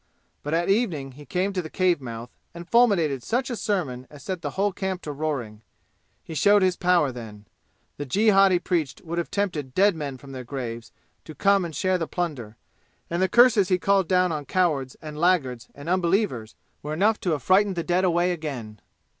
But at evening he came to the cave mouth and fulminated such a sermon as set the whole camp to roaring. He showed his power then. The jihad he preached would have tempted dead men from their graves to come and share the plunder, and the curses he called down on cowards and laggards and unbelievers were enough to have frightened the dead away again.